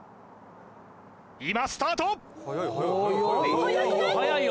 今スタート！